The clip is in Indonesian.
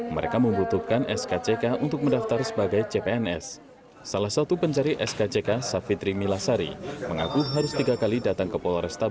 mereka membutuhkan skck untuk mendaftar sebagai calon pegawai negeri sipil